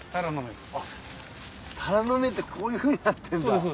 タラの芽ってこういうふうになってんだ。